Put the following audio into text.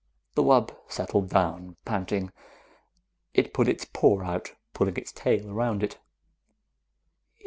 The wub settled down, panting. It put its paw out, pulling its tail around it.